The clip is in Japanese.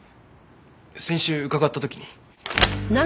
先週伺った時に。